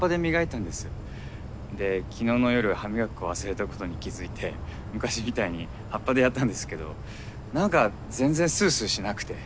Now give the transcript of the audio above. で昨日の夜歯磨き粉忘れたことに気付いて昔みたいに葉っぱでやったんですけど何か全然スースーしなくて。